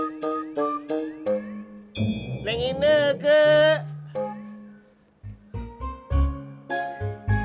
neng ine kek